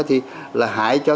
thì là hại cho